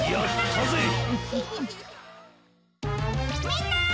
みんな！